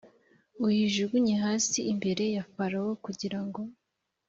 uyijugunye hasi imbere ya farawo kugira ngo